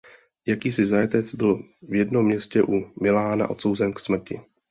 Jakýsi zajatec byl v jednom městě u Milána odsouzen k smrti.